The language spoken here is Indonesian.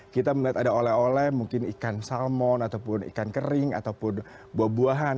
kita melihat ada oleh oleh mungkin ikan salmon ataupun ikan kering ataupun buah buahan